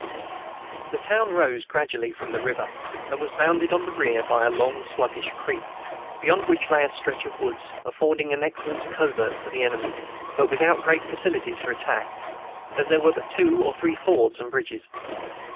The town rose gradually from the river, and was bounded on the rear by a long, sluggish creek, beyond which lay a stretch of woods, affording an excellent covert for the enemy, but without great facilities for attack, as there were but two or three fords and bridges.